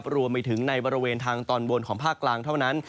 รวมไปถึงในบริเวณทางตอนบนของภาคกลางเท่านั้น